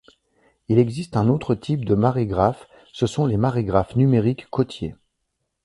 Il existe un autre type de marégraphes, ce sont les marégraphes numériques côtiers.